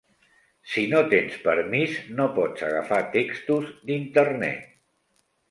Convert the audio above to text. Si no tens permís, no pots agafar textos d'internet.